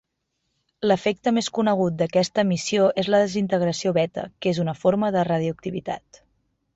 L'efecte més conegut d'aquesta emissió és la desintegració beta, que és una forma de radioactivitat.